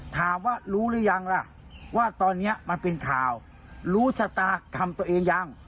ถามว่ารู้หรือยังล่ะว่าตอนนี้มันเป็นข่าวรู้ชะตากรรมตัวเองยัง